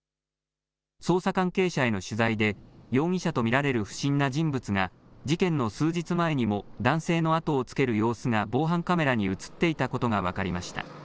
捜査関係者への取材で容疑者と見られる不審な人物が事件の数日前にも男性の後をつける様子が防犯カメラに写っていたことが分かりました。